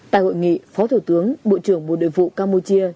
tại hội nghị phó thủ tướng bộ trưởng bộ nội vụ campuchia